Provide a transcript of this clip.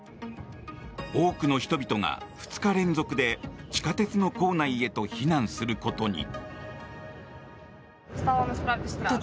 多くの人々が２日連続で地下鉄の構内へと避難することに。